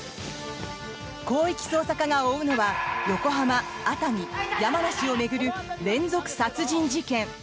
広域捜査課が追うのは横浜、熱海、山梨を巡る連続殺人事件。